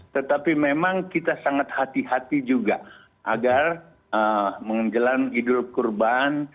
tetapi memang kita sangat hati hati juga agar menjelang idul kurban